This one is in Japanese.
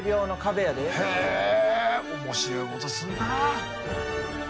へえ面白いことするな。